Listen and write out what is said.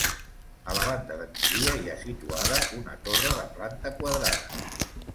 A la banda de migdia hi ha situada una torre de planta quadrada.